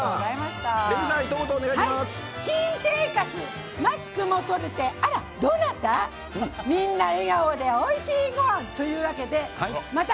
新生活マスクも取れてあらどなたみんな笑顔でおいしいごはんというわけでまた